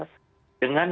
dengan masalah kemanusiaan